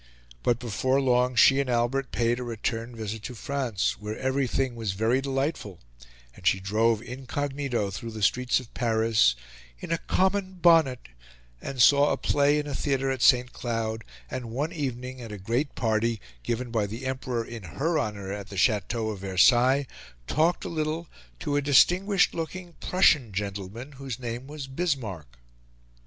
But before long she and Albert paid a return visit to France, where everything was very delightful, and she drove incognito through the streets of Paris in a "common bonnet," and saw a play in the theatre at St. Cloud, and, one evening, at a great party given by the Emperor in her honour at the Chateau of Versailles, talked a little to a distinguished looking Prussian gentleman, whose name was Bismarck.